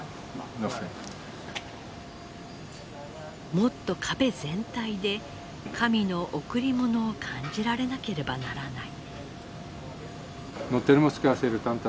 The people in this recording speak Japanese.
もっと壁全体で神の贈り物を感じられなければならない。